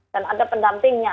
dan ada pendampingnya